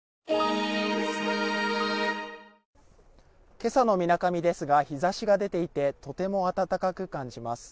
今朝のみなかみですが、日ざしが出ていて、とても暖かく感じます。